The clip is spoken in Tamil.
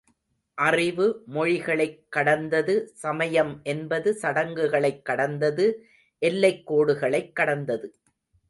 அறிவு மொழிகளைக் கடந்தது சமயம் என்பது சடங்குகளைக் கடந்தது எல்லைக் கோடுகளைக் கடந்தது.